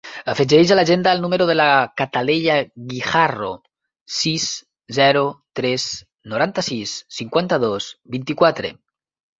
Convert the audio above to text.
Afegeix a l'agenda el número de la Cataleya Guijarro: sis, zero, tres, noranta-sis, cinquanta-dos, vint-i-quatre.